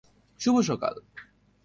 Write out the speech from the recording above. শুভ সকাল!